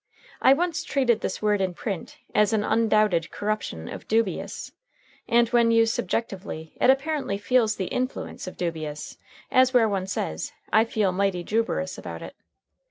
I once treated this word in print as an undoubted corruption of dubious, and when used subjectively it apparently feels the influence of dubious, as where one says: "I feel mighty juberous about it."